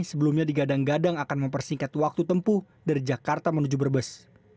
sebelumnya digadang gadang akan mempersingkat waktu tempuh dari jakarta menuju brebes